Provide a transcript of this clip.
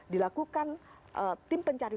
dilakukan tim pencari